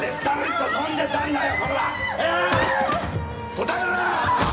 答えろっ！